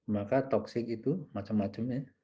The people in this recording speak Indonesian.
maka toxic itu macam macamnya